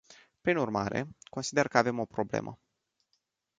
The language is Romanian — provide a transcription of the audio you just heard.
Prin urmare, consider că avem o problemă.